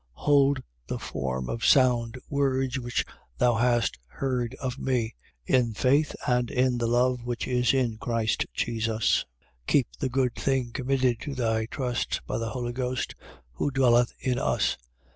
1:13. Hold the form of sound words which thou hast heard of me: in faith and in the love which is in Christ Jesus. 1:14. Keep the good thing committed to thy trust by the Holy Ghost who dwelleth in us.